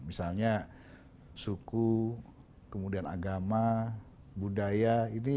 misalnya suku kemudian agama budaya